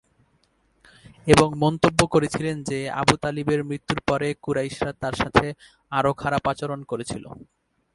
এবং মন্তব্য করেছিলেন যে আবু তালিবের মৃত্যুর পরে কুরাইশরা তার সাথে আরও খারাপ আচরণ করেছিল।